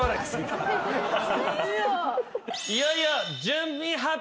いよいよ。